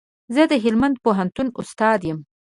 زه د هلمند پوهنتون استاد يم